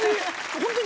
ホントに。